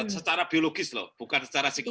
secara biologis loh bukan secara psikologis